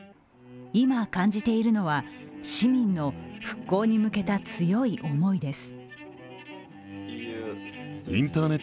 今、感じているのは、市民の復興に向けた強い思いです。